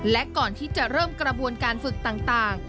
และก่อนที่จะเริ่มกระบวนการฝึกต่าง